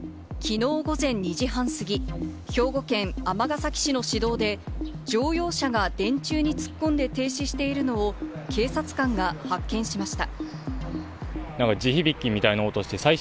昨日午前２時半過ぎ、兵庫県尼崎市の市道で、乗用車が電柱に突っ込んで、停止しているのを警察官が発見しました。